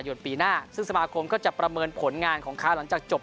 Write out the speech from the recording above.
ปีหน้าซึ่งสมาคมก็จะประเมินผลงานของเขาหลังจากจบ